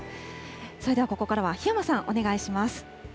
それではここからは檜山さん、お願いします。